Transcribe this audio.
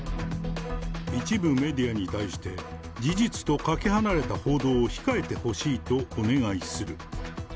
一部メディアに対して、事実とかけ離れた報道を控えてほしいとお願いする。